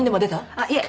あっいえ。